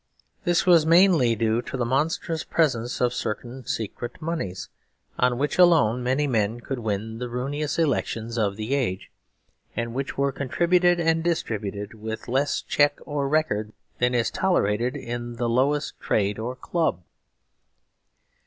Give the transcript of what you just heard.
This was mainly due to the monstrous presence of certain secret moneys, on which alone many men could win the ruinous elections of the age, and which were contributed and distributed with less check or record than is tolerated in the lowest trade or club.